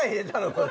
これ。